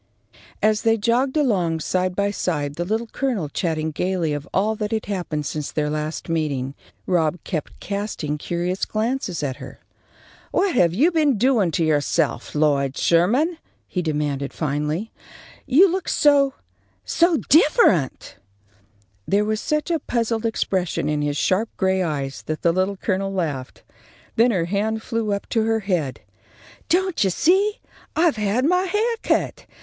As they jogged along, side by side, the Little Colonel chatting gaily of all that had happened since their last meeting, Rob kept casting curious glances at her. "What have you been doing to yourself, Lloyd Sherman?" he demanded, finally. "You look so so different!" There was such a puzzled expression in his sharp gray eyes that the Little Colonel laughed. Then her hand flew up to her head. "Don't you see? I've had my hair cut.